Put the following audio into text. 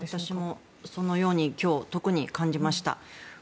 私もそのように今日、特に感じました。